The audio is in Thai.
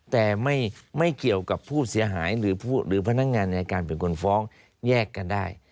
แต่ไม่เกี่ยวกับผู้เสียหายหรือพนักงานในการเป็นคนฟ้องแยกกันได้